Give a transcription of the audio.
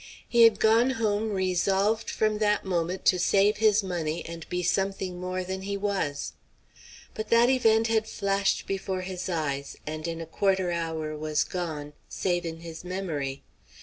He had gone home resolved from that moment to save his money, and be something more than he was. But that event had flashed before his eyes, and in a quarter hour was gone, save in his memory.